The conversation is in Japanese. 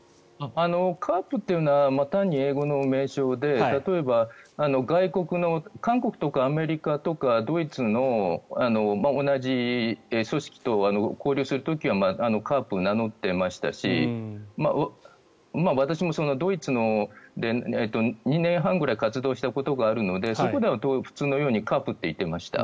カープというのは単に英語の名称で例えば外国の韓国とかアメリカとかドイツの同じ組織と交流する時はカープを名乗っていましたし私もドイツで２年半ぐらい活動したことがあるのでそこではカープと言っていました。